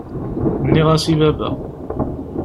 Nniɣ-as i baba.